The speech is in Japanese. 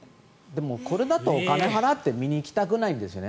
これだとお金払って見に行きたくないんですよね。